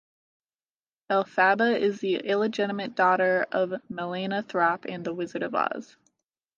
Elphaba is the illegitimate daughter of Melena Thropp and the Wizard of Oz.